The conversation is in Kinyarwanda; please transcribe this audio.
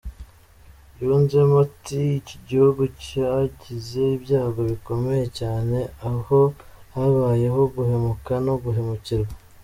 Yunzemo ati :”Iki gihugu cyagize ibyago bikomeye cyane aho habaye ho guhemuka no guhemukirwa.